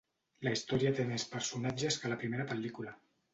La història té més personatges que la primera pel·lícula.